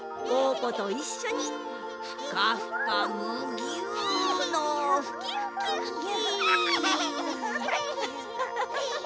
ぽといっしょにふかふかむぎゅのふきふきふき！